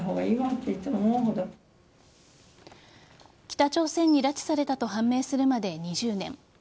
北朝鮮に拉致されたと判明するまで２０年。